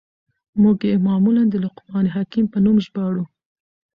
موږ ئې معمولاً د لقمان حکيم په نوم ژباړو.